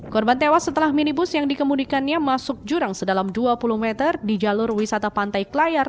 korban tewas setelah minibus yang dikemudikannya masuk jurang sedalam dua puluh meter di jalur wisata pantai klayar